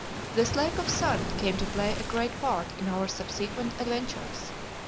This Lake of the Sun came to play a great part in our subsequent adventures.